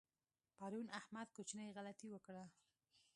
پرون احمد کوچنۍ غلطۍ وکړه.